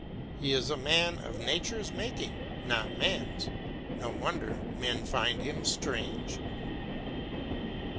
He is a man of nature's making, not man's. No wonder men find him strange.